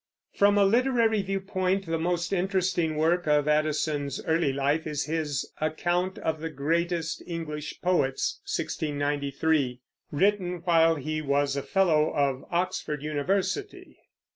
From a literary view point the most interesting work of Addison's early life is his Account of the Greatest English Poets (1693), written while he was a fellow of Oxford University.